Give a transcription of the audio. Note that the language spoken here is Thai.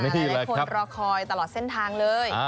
หลายคนรอคอยตลอดเส้นทางเลย